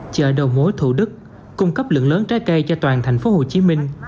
chợ đầu mối thủ đức cung cấp lượng lớn trái cây cho toàn thành phố hồ chí minh